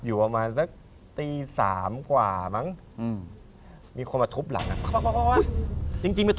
อยากกินโจ๊กใส่ไข่